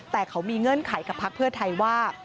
แต่เขามีเงื่อนไขกับพักเพื่อไทยว่า